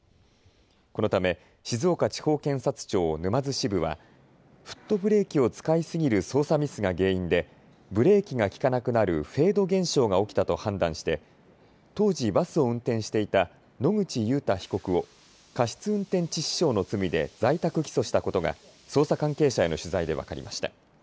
このため静岡地方検察庁沼津支部はフットブレーキを使いすぎる操作ミスが原因でブレーキがきかなくなるフェード現象が起きたと判断して当時、バスを運転していた野口祐太被告を過失運転致死傷の罪で在宅起訴したことが捜査関係者への取材で分かりました。